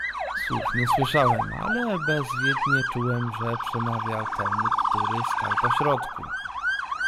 "Słów nie słyszałem, ale bezwiednie czułem, że przemawia ten który stał pośrodku."